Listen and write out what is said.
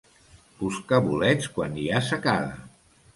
Buscar bolets quan hi ha secada.